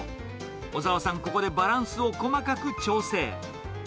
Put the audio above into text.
小澤さん、ここでバランスを細かく調整。